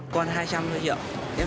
còn hai trăm linh thôi chị ạ